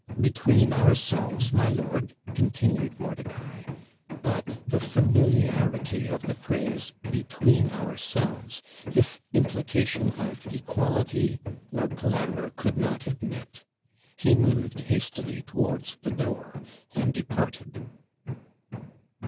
'Between ourselves, my lord,' continued Mordicai But the familiarity of the phrase, 'Between ourselves' this implication of equality Lord Colambre could not admit; he moved hastily towards the door and departed.